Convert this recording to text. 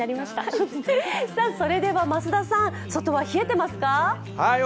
それでは増田さん、外は冷えてますか？